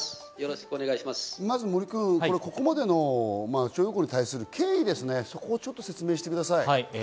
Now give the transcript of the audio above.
まずここまでの徴用工に対する経緯を説明してください。